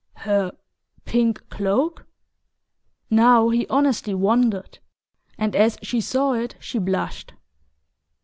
"Her pink cloak?" Now he honestly wondered, and as she saw it she blushed.